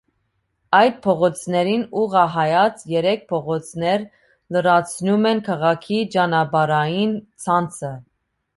Այդ փողոցներին ուղղահայաց երեք փողոցներ լրացնում են քաղաքի ճանապարհային ցանցը։